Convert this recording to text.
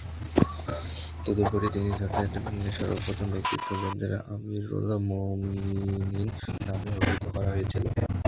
তদুপরি তিনি তাঁদের সর্বপ্রথম ব্যক্তিত্ব যাদের আমীরুল মুমিনীন নামে অভিহিত করা হয়েছিল।